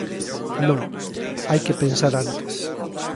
Non, hai que pensar antes.